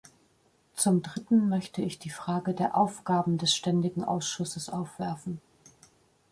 Zum dritten möchte ich die Frage der Aufgaben des ständigen Ausschusses aufwerfen.